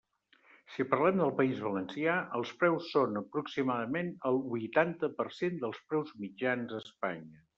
Si parlem del País Valencià, els preus són aproximadament el huitanta per cent dels preus mitjans a Espanya.